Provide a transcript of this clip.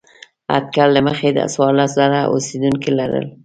اټکل له مخې څوارلس زره اوسېدونکي لرل.